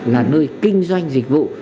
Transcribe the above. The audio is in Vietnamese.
là nơi kinh doanh dịch vụ